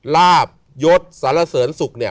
ลาบยศสรเสริญศุกร์